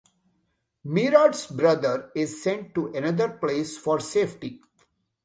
Maerad's brother is sent to another place for safety.